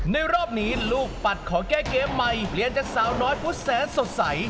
รอบนี้ลูกปัดขอแก้เกมใหม่เปลี่ยนจากสาวน้อยผู้แสนสดใส